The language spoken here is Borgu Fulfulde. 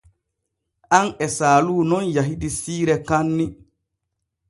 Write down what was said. An e Saalu nun yahidi siire kaanni.